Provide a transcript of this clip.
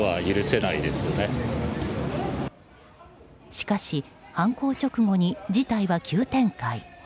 しかし、犯行直後に事態は急展開。